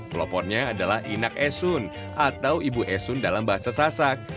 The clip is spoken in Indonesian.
pelopornya adalah inak esun atau ibu esun dalam bahasa sasak